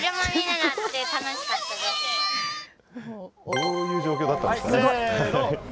どういう状況だったんでしょう。